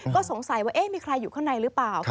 ก็สงสัยว่ามีใครอยู่ข้างในหรือเปล่า